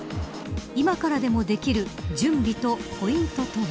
今からでもできる準備とポイントとは。